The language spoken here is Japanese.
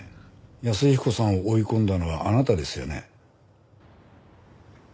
安彦さんを追い込んだのはあなたですよね？